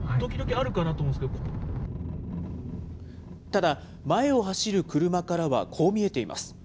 ただ、前を走る車からはこう見えています。